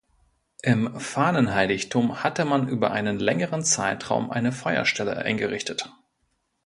Im Fahnenheiligtum hatte man über einen längeren Zeitraum eine Feuerstelle eingerichtet.